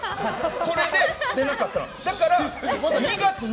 それで出なかったの。